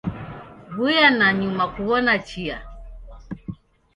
W'uya nanyuma kuw'ona chia.